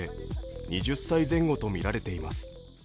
２０歳前後とみられています。